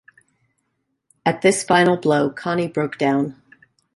At this final blow Connie broke down.